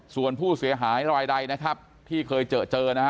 ส่วนผู้เสียหายรายใดนะครับที่เคยเจอเจอนะฮะ